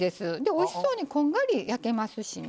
おいしそうにこんがり焼けますしね。